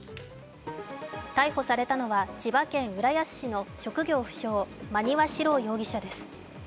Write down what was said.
逮捕されたのは千葉県浦安市の職業不詳、真庭史郎容疑者です。